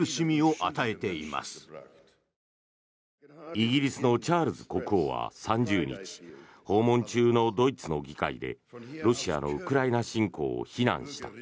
イギリスのチャールズ国王は３０日訪問中のドイツの議会でロシアのウクライナ侵攻を非難した。